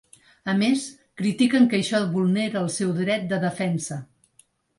A més, critiquen que això vulnera el seu dret de defensa.